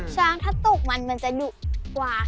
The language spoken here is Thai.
ช้างถ้าตกมันมันจะดุกว่า